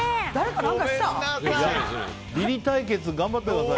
ビリ対決頑張ってください。